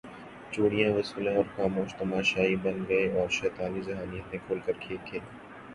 چوڑیاں وصولیں اور خاموش تماشائی بن گئے اور شیطانی ذہانت نے کھل کر کھیل کھیلا